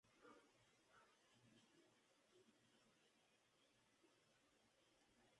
Con este último constituyeron una dupla perfecta con magia y gol en los botines.